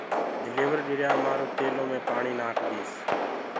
ڊليور ڏريا مآرو تيلو مي پآڻيٚ ناکِ ديٚس